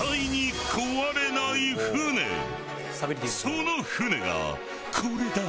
その舟がこれだ！